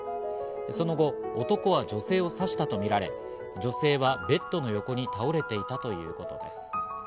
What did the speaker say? その後、男は女性を刺したとみられ、女性はベッドの横に倒れていたということです。